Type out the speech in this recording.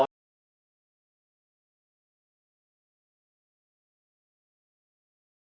กินไหมครับทุกแก่ก็จะซื้อให้